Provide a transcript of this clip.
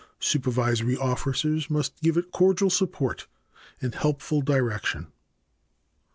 Supervisory officers must give it cordial support and helpful direction.